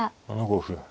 ７五歩。